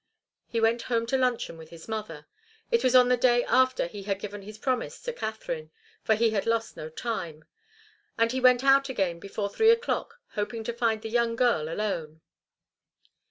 He went home to luncheon with his mother it was on the day after he had given his promise to Katharine, for he had lost no time and he went out again before three o'clock, hoping to find the young girl alone.